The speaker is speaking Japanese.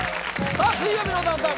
さあ「水曜日のダウンタウン」